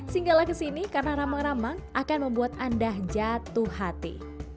singgallah kesini karena ramang ramang akan membuat anda jatuh hati